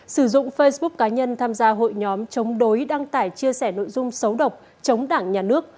sử dụng facebook cá nhân tham gia hội nhóm chống đối đăng tải chia sẻ nội dung xấu độc chống đảng nhà nước